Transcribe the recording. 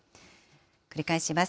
繰り返します。